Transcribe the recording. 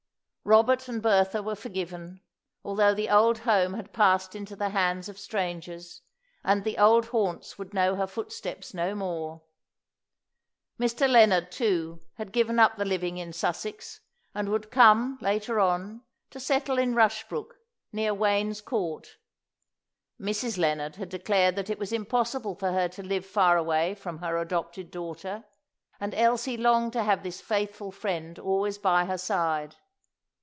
Robert and Bertha were forgiven, although the old home had passed into the hands of strangers, and the old haunts would know her footsteps no more. Mr. Lennard, too, had given up the living in Sussex, and would come, later on, to settle in Rushbrook, near Wayne's Court. Mrs. Lennard had declared that it was impossible for her to live far away from her adopted daughter, and Elsie longed to have this faithful friend always by her side.